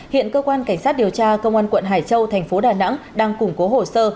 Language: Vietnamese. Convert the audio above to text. hiện cơ quan cảnh sát điều tra công an quận hải châu thành phố đà nẵng đang củng cố hồ sơ